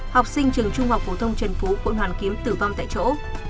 học sinh trường trung học phổ thông trần phú quận hoàn kiếm tử vong tại chỗ